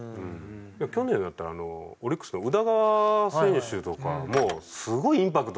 去年だったらオリックスの宇田川選手とかもすごいインパクトが強かったじゃないですか。